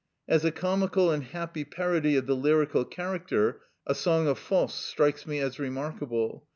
As a comical and happy parody of the lyrical character a song of Voss strikes me as remarkable.